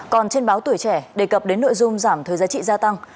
còn trên báo tuổi trẻ đề cập đến nội dung giảm thuê giá trị gia tăng